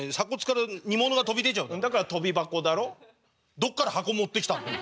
どっから箱持ってきたんだよ？